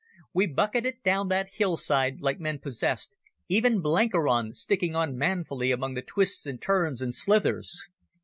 We bucketed down that hillside like men possessed, even Blenkiron sticking on manfully among the twists and turns and slithers.